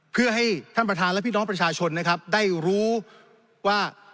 เพื่อให้ท่านประธานและพี่น้องประชาชนนะครับได้รู้ว่า